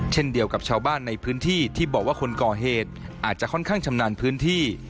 เช่นเดียวกับชาวบ้านในพื้นที่ที่บอกว่าคนก่อเหตุอาจจะค่อนข้างชำนาญพื้นที่